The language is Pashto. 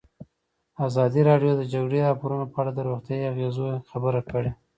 ازادي راډیو د د جګړې راپورونه په اړه د روغتیایي اغېزو خبره کړې.